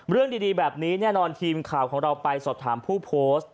เรื่องดีแบบนี้แน่นอนทีมข่าวของเราไปสอบถามผู้โพสต์